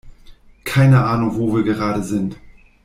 Keine Ahnung, wo wir gerade sind.